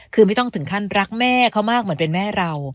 คือไม่ต้องถึงขั้นรักแม่เขามากเหมือนเป็นแม่เรา